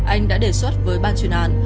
anh đã đề xuất với bàn chuyên án